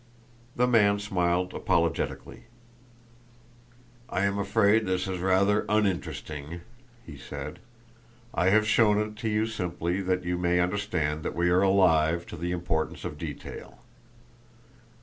The man smiled apologetically. "I am afraid this is rather uninteresting," he said. "I have shown it to you simply that you may understand that we are alive to the importance of detail.